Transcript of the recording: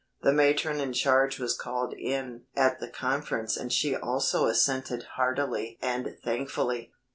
The matron in charge was called in at the conference and she also assented heartily and thankfully.